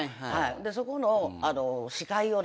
そこの司会をね